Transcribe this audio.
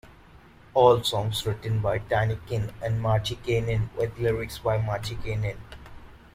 All songs written by Tynkkynen and Martikainen, with lyrics by Martikainen.